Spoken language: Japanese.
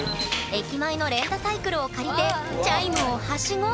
駅前のレンタサイクルを借りてチャイムをはしご！